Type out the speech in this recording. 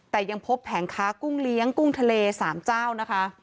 แต่ยังพบแผงค้ากุ้งเลี้ยงกุ้งทะเล๓เจ้านะคะ